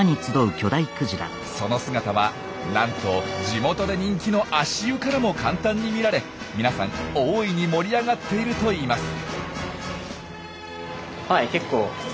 その姿はなんと地元で人気の足湯からも簡単に見られ皆さん大いに盛り上がっているといいます。